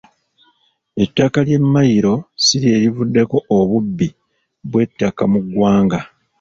Ettaka lya mmayiro si lye livuddeko obubbi bw’ettaka mu ggwanga.